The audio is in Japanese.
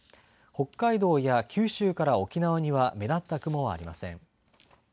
北海道や九州から沖縄には目立った雲はありません。